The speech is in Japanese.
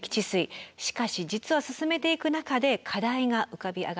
しかし実は進めていく中で課題が浮かび上がってきました。